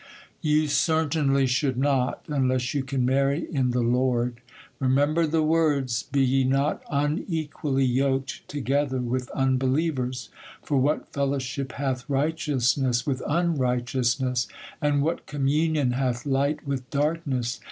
'You certainly should not, unless you can marry in the Lord. Remember the words, "Be ye not unequally yoked together with unbelievers. For what fellowship hath righteousness with unrighteousness? and what communion hath light with darkness?